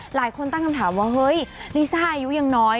หลายคนตั้งคำถามว่าเฮ้ยลิซ่าอายุยังน้อย